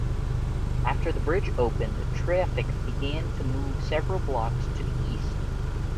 After the bridge opened, traffic began to move several blocks to the east.